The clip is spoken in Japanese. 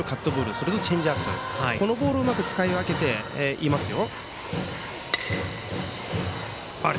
それとチェンジアップこのボールをうまく使い分けていますよ。